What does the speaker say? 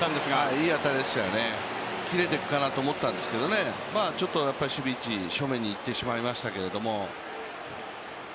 いい当たりでしたよね切れてくかなと思ったんですけどちょっと守備位置正面にいってしまいましたけれども。